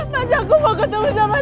mas aku mau ketemu sama rena terus mas